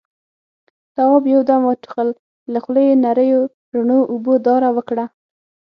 تواب يو دم وټوخل، له خولې يې نريو رڼو اوبو داره وکړه.